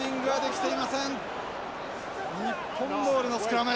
日本ボールのスクラム。